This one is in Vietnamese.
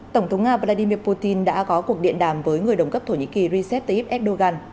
tổng thống nga vladimir putin đã có cuộc điện đàm với người đồng cấp thổ nhĩ kỳ recep tayyip erdogan